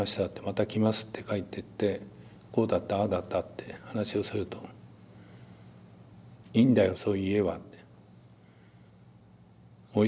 「また来ます」って帰ってってこうだったああだったって話をすると「いいんだよそういう家は」って。